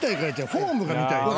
フォームが見たい。